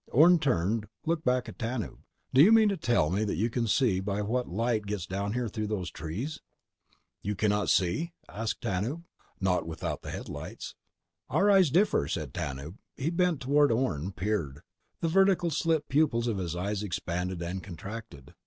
Orne turned, looked back at Tanub. "Do you mean to tell me that you can see by what light gets down here through those trees?" "Can you not see?" asked Tanub. "Not without the headlights." "Our eyes differ," said Tanub. He bent toward Orne, peered. The vertical slit pupils of his eyes expanded, contracted.